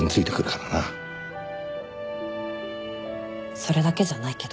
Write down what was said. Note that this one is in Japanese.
それだけじゃないけど。